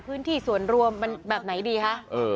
พื้นที่ส่วนรวมมันแบบไหนดีคะ